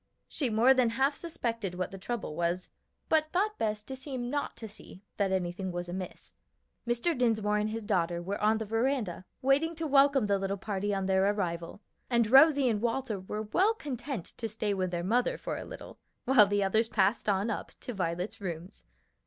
She more than half suspected what the trouble was, but thought best to seem not to see that anything was amiss. Mr. Dinsmore and his daughter were on the veranda waiting to welcome the little party on their arrival, and Rosie and Walter were well content to stay with their mother for a little, while the others passed on up to Violet's rooms.